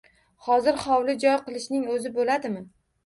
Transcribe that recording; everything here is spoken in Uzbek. Hozir hovli-joy qilishning o`zi bo`ladimi